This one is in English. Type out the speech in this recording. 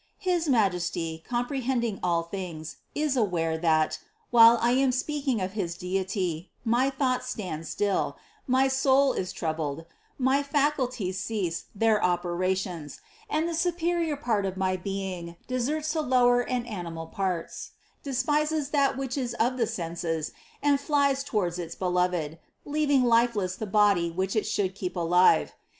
His Majesty, comprehending all things, is aware that, while I am speaking of his Deity, my thoughts stand still, my soul is troubled, my faculties cease their opera tions, and the superior part of my being deserts the lower and animal parts, despises that which is of the senses and flies toward its Beloved, leaving lifeless the body which it should keep alive.